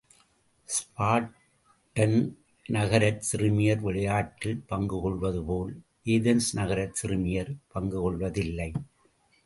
Spartan நகரச் சிறுமியர் விளையாட்டில் பங்கு கொள்வது போல் ஏதென்ஸ் நகரச் சிறுமியர் பங்கு கொள்வதில்லை.